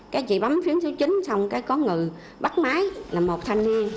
cái chị bấm phím số chín xong cái có người bắt máy là một thanh niên